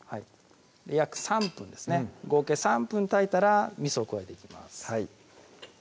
約３分ですね合計３分炊いたらみそを加えていきます